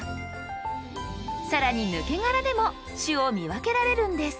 更にぬけ殻でも種を見分けられるんです。